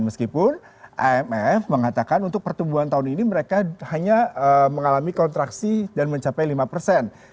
meskipun imf mengatakan untuk pertumbuhan tahun ini mereka hanya mengalami kontraksi dan mencapai lima persen